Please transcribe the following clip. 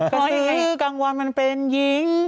กระซื้อกลางวันมันเป็นหญิง